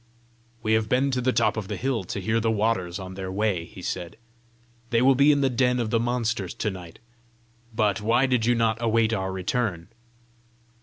"We have been to the top of the hill to hear the waters on their way," he said. "They will be in the den of the monsters to night. But why did you not await our return?"